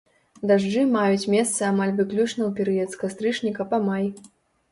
Дажджы маюць месца амаль выключна ў перыяд з кастрычніка па май.